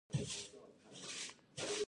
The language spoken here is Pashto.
تیمورشاه پر بهاول خان باندي حمله کړې.